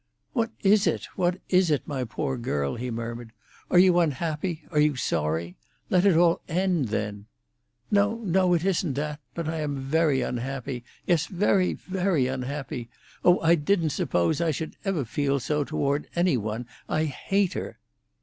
"What is it?—what is it, my poor girl?" he murmured. "Are you unhappy? Are you sorry? Let it all end, then!" "No, no; it isn't that! But I am very unhappy—yes, very, very unhappy! Oh, I didn't suppose I should ever feel so toward any one. I hate her!"